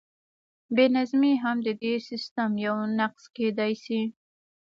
بې نظمي هم د دې سیسټم یو نقص کیدی شي.